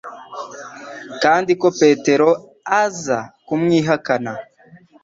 kandi ko Petero aza kumwihakana.